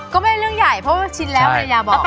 ก็ไม่เป็นเรื่องใหญ่เพราะชินแล้วพี่ยาบอก